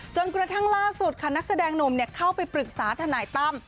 จนกระทั่งล่าสุดค่ะนักแสดงหนุ่มเข้าไปปรึกษาทนายตั้ม